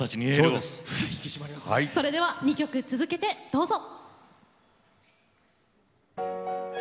それでは２曲続けてどうぞ。